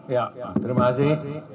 ya terima kasih